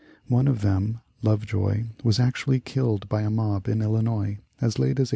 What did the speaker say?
One of them (Lovejoy) was actually killed by a mob in Illinois as late as 1837.